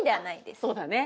そうだね。